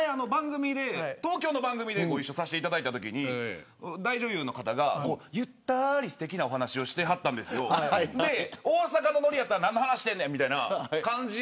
東京の番組でご一緒したときに大女優の方がゆったり、すてきなお話をしてはったんですが大阪だったら何の話してんねんみたいな感じ。